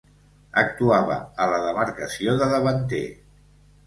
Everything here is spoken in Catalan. Actuava a la demarcació de davanter.